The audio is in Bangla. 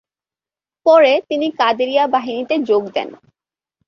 পরে তিনি কাদেরিয়া বাহিনীতে যোগ দেন।